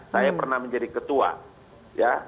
saya pernah menjadi ketua ya